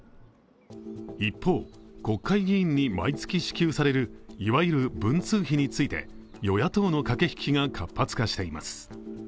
一方、国会議員に毎月支給される、いわゆる文通費について与野党の駆け引きが活発化しています。